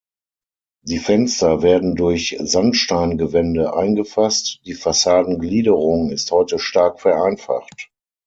Die Fenster werden durch Sandsteingewände eingefasst, die Fassadengliederung ist heute stark vereinfacht.